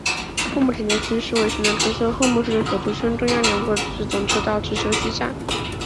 厚木停车区是位于神奈川县厚木市的首都圈中央连络自动车道之休息站。